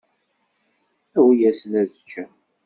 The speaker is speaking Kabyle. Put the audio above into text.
Awi-yasen ad ččen.